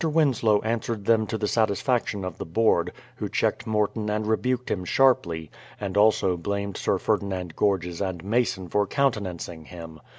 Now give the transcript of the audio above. Winslow answered them to the satisfaction of the Board, who checked Morton and rebuked him sharply, and also blamed Sir Ferdinand Gorges and Mason for countenancing him.